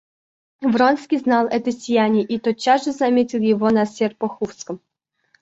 Вронский знал это сияние и тотчас же заметил его на Серпуховском.